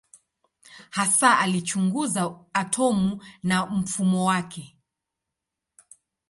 Hasa alichunguza atomu na mfumo wake.